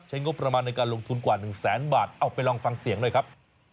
งบประมาณในการลงทุนกว่า๑แสนบาทเอาไปลองฟังเสียงหน่อยครับ